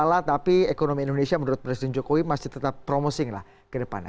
masalah tapi ekonomi indonesia menurut presiden jokowi masih tetap promosing lah ke depannya